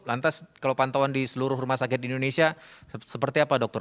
lantas kalau pantauan di seluruh rumah sakit di indonesia seperti apa dokter